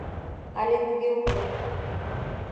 Але нигӧ уке.